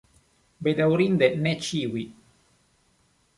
Bedaŭrinde ne ĉiuj.